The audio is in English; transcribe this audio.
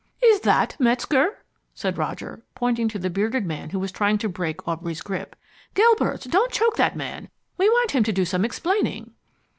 "Is that Metzger?" said Roger, pointing to the bearded man who was trying to break Aubrey's grip. "Gilbert, don't choke that man, we want him to do some explaining."